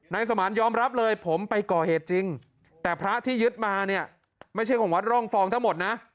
นายสมานยอมรับเลยผมไปก่อเหตุจริงแต่พระที่ยึดมาเนี่ยไม่ใช่ของวัดร่องฟองทั้งหมดนะ